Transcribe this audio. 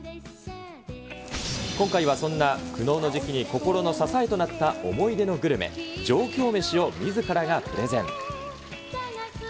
今回はそんな苦悩の時期に心の支えとなった思い出のグルメ、上京メシをみずからがプレゼン。